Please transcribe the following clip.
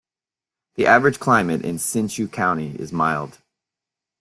The average climate in Hsinchu County is mild.